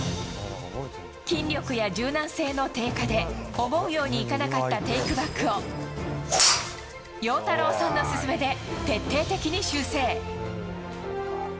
筋力や柔軟性の低下で、思うようにいかなかったテイクバックを、陽太郎さんの勧めで徹底的に修正。